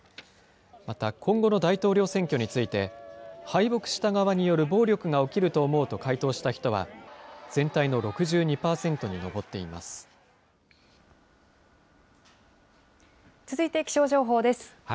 また今後の大統領選挙について、敗北した側による暴力が起きると思うと回答した人は、全体の６２続いて気象情報です。